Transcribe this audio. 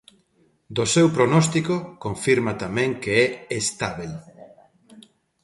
Do seu prognóstico, confirma tamén que é "estábel".